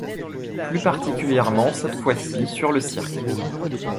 Plus particulièrement, cette fois-ci, sur le cirque.